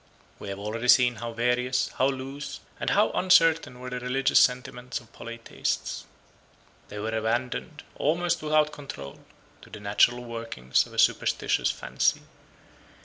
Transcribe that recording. We have already seen how various, how loose, and how uncertain were the religious sentiments of Polytheists. They were abandoned, almost without control, to the natural workings of a superstitious fancy.